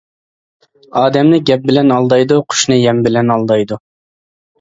ئادەمنى گەپ بىلەن ئالدايدۇ، قۇشنى يەم بىلەن ئالدايدۇ.